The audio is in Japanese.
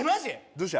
どうした？